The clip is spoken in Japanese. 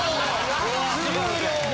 終了！